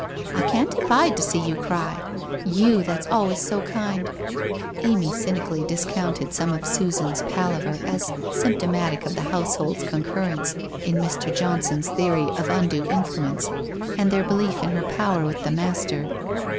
I can't abide to see you cry. You that's always so kind. ...!' Amy cynically discounted some of Susan's palaver a8 symptomatic of the household's concurrence in Mr. John son's theory of undue influence and their belief in her power with ' the master.'